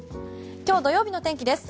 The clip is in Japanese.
今日土曜日の天気です。